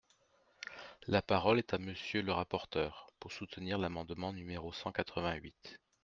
La parole est à Monsieur le rapporteur, pour soutenir l’amendement numéro cent quatre-vingt-huit.